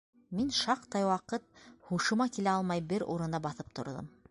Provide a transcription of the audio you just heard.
Мин шаҡтай ваҡыт һушыма килә алмай бер урында баҫып торҙом.